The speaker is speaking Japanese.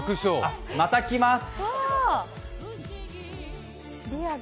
また来ます。